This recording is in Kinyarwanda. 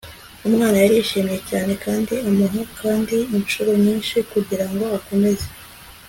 umwana yarishimye cyane kandi amuha kanda inshuro nyinshi, kugirango akomeze